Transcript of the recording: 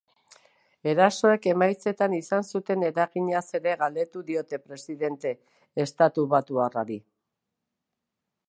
Erasoek emaitzetan izan zuten eraginaz ere galdetu diote presidente estatubatuarrari.